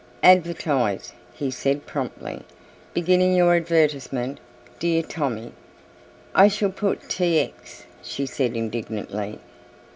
"Advertise," he said promptly, "beginning your advertisement 'Dear Tommy."' "I shall put 'T. X.,'" she said indignantly.